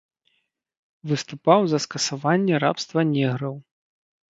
Выступаў за скасаванне рабства неграў.